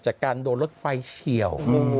จากการโดนรถไฟเฉียว